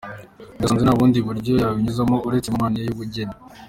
Ngo yasanze nta bundi buryo yabinyuzamo uretse mu mpano ye y’ubugeni.